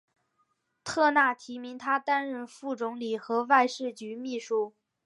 特纳提名他担任副总理和外事局秘书。